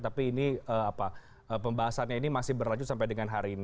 tapi ini pembahasannya ini masih berlanjut sampai dengan hari ini